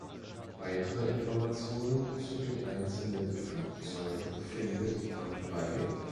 Weitere Informationen zu den einzelnen Flugzeugen findet man bei